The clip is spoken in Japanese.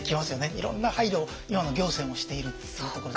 いろんな配慮を今の行政もしているっていうところで。